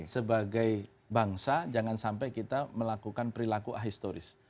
sebagai bangsa jangan sampai kita melakukan perilaku ahistoris